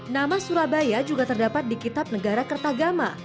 nama surabaya juga terdapat di kitab negara kertagama